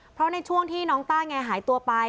เพราะในช่วงที่น้องต้าแงหายตัวไป